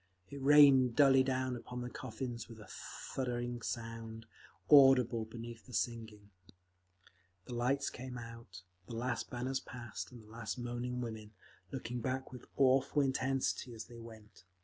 It rained dully down upon the coffins with a thudding sound, audible beneath the singing…. The lights came out. The last banners passed, and the last moaning women, looking back with awful intensity as they went.